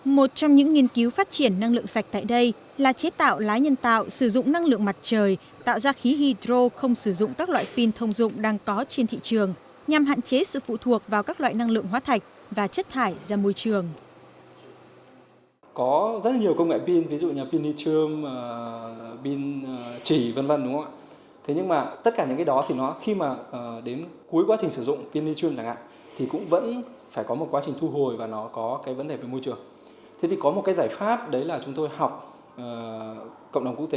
một trong những nghiên cứu phát triển năng lượng sạch tại đây là chế tạo lá nhân tạo sử dụng năng lượng mặt trời tạo ra khí hydro không sử dụng các loại pin thông dụng đang có trên thị trường nhằm hạn chế sự phụ thuộc vào các loại pin thông dụng đang có trên thị trường